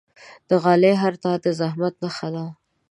د غالۍ هر تار د زحمت نخښه ده.